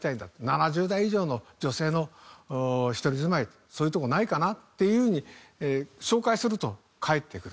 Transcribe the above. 「７０代以上の女性の一人住まいそういうとこないかな？」っていうふうに紹介すると返ってくる。